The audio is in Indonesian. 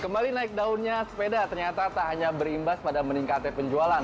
kembali naik daunnya sepeda ternyata tak hanya berimbas pada meningkatnya penjualan